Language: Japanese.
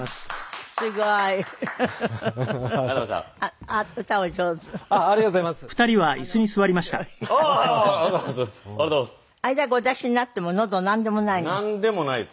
あれだけお出しになってものどなんでもないの？